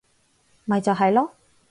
咪就係囉